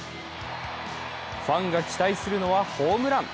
ファンが期待するのはホームラン。